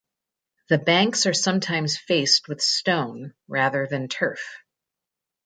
The banks are sometimes faced with stone rather than turf.